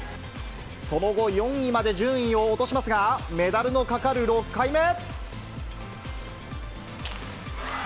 その後、４位まで順位を落としますが、メダルのかかる６回目。